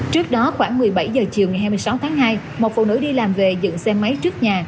trước đó khoảng một mươi bảy h chiều ngày hai mươi sáu tháng hai một phụ nữ đi làm về dựng xe máy trước nhà